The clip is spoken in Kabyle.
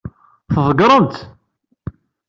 Tḍeggṛem-tt?